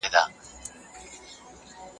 در بخښلی په ازل کي یې قدرت دئ.